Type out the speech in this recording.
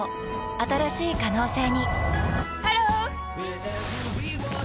新しい可能性にハロー！